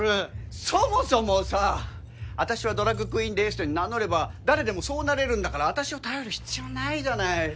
そもそもさあたしはドラァグクイーンですって名乗れば誰でもそうなれるんだからあたしを頼る必要ないじゃない。